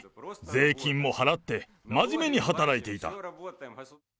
税金も払って、真面目に働いていた。